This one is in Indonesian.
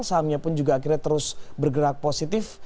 sahamnya pun juga akhirnya terus bergerak positif